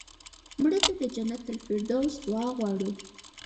مړه ته د جنت الفردوس دعا غواړو